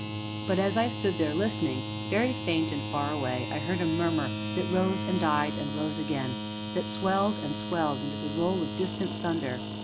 But, as I stood there listening, very faint and far away, I heard a murmur that rose and died and rose again, that swelled and swelled into the roll of distant thunder.